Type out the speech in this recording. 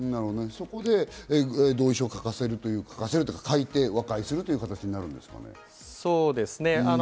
そこで同意書を書かせるというか、書いて和解するという形になるんですね。